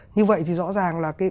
như vậy thì rõ ràng là cái